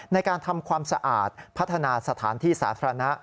ในการทำความสะอาดพัฒนาสถานที่สาธารณะ